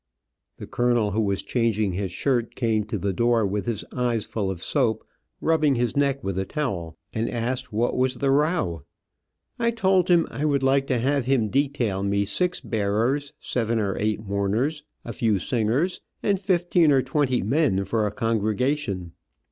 The colonel, who was changing his shirt, came to the door with his eyes full of soap, rubbing his neck with a towel, and asked what was the row. I told him I would like to have him detail me six bearers, seven or eight mourners, a few singers, and fifteen or twenty men for a congregation.